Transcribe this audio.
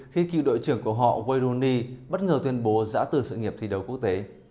khi cựu đội trưởng của họ waruni bất ngờ tuyên bố giã từ sự nghiệp thi đấu quốc tế